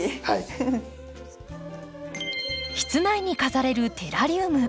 室内に飾れるテラリウム。